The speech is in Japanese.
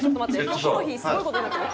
『キョコロヒー』すごい事になってる」